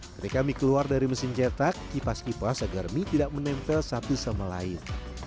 ketika mie keluar dari mesin cetak kipas kipas agar mie tidak menempel satu sama lain